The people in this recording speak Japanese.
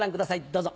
どうぞ。